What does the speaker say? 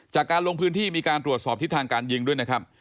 จากการลงพื้นที่มีการตรวจสอบทิศทางการยิงด้วยนะครับ